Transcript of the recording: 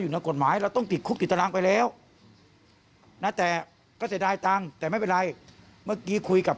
วัดนี้เลยไหมครับ